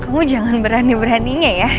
kamu jangan berani beraninya ya